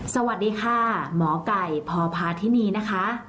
สวัสดีค่ะหมอไก่พพาธินีนะคะ